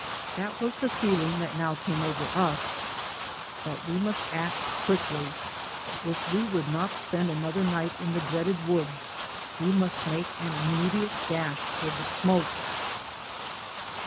That was the feeling that now came over us. But we must act quickly. If we would not spend another night in the dreaded woods we must make an immediate dash toward the smoke.